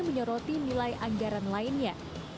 dengan nilai anggaran lainnya